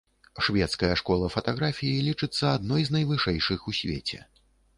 Шведская школа фатаграфіі лічыцца адной з найвышэйшых у свеце.